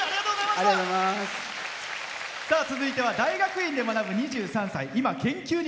続いては大学院で学ぶ２３歳。